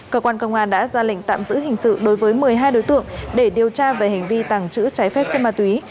cơ quan công an đã ra lệnh tạm giữ hình sự đối với một mươi hai đối tượng để điều tra về hành vi tàng trữ trái phép chất ma túy